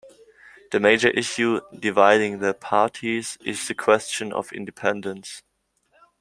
The major issue dividing the parties is the question of independence.